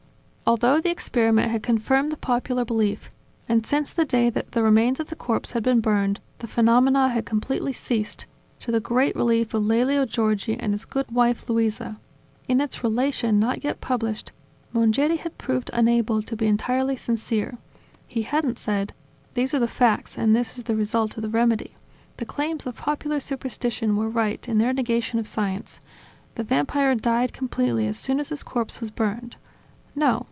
Although the experiment had confirmed the popular belief, and since the day that the remains of the corpse had been burned the phenomena had completely ceased, to the great relief of Lelio Giorgi and his good wife Luisa, in its relation, not yet published, Mongeri had proved unable to be entirely sincere. He hadn't said: "These are the facts, and this the result of the remedy: the claims of popular superstition were right in their negation of science: the Vampire died completely as soon as his corpse was burned." No.